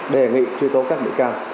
đề nghị truy tố các bị can